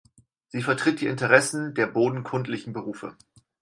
Sie vertritt die Interessen der bodenkundlichen Berufe.